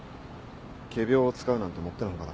仮病を使うなんてもっての外だ。